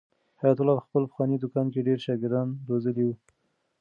حیات الله په خپل پخواني دوکان کې ډېر شاګردان روزلي وو.